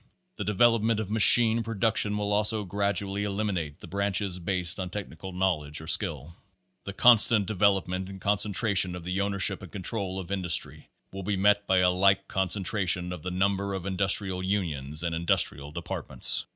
The development of machine production will also gradually eliminate the branches based on technical knowledge, or skill. The constant development and concentration of the ownership and control of industry will be met by a like concentration of the number of Industrial Unions and Industrial Departments.